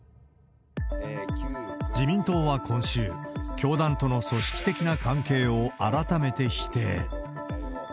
自民党は今週、教団との組織的な関係を改めて否定。